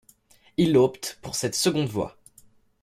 Il opte pour cette seconde voix.